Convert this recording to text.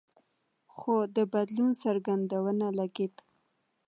خو د بدلون څرک ونه لګېد.